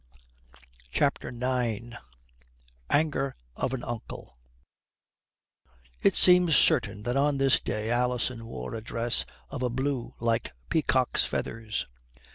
CHAPTER IX ANGER OF AN UNCLE It seems certain that on this day Alison wore a dress of a blue like peacock's feathers.